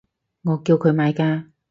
我叫佢買㗎